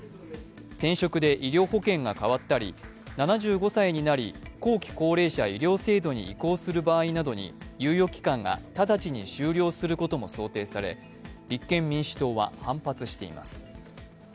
転職で医療保険が変わったり、７５歳になり後期高齢者医療制度に移行する場合などに、猶予期間が直ちに終了することも想定され立憲民主党は反発しています。